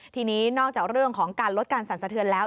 ทีนี้นอกจากเรื่องของการลดการสั่นสะเทือนแล้ว